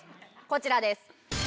こちらです。